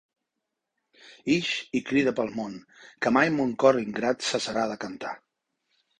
Ix, i crida pel món que mai mon cor ingrat cessarà de cantar.